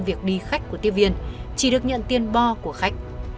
để đi khách của tiếp viên chỉ được nhận tiền bò của khách